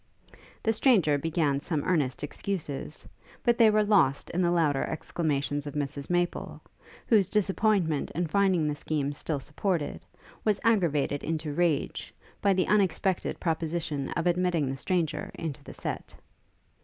The stranger began some earnest excuses, but they were lost in the louder exclamations of Mrs Maple, whose disappointment in finding the scheme still supported, was aggravated into rage, by the unexpected proposition of admitting the stranger into the sett.